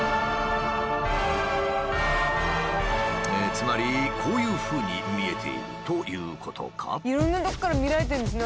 つまりこういうふうに見えているということか？